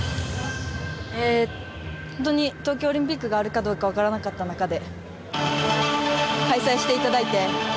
本当に東京オリンピックがあるかどうか分からなかった中で開催していただいて。